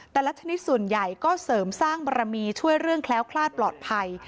แต่ละชนิดส่วนใหญ่ก็เสริมสร้างบารมีช่วยเรื่องแคล้วคลาดปลอดภัย